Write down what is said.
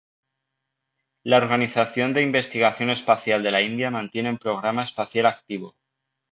La Organización de Investigación Espacial de la India mantiene un programa espacial activo.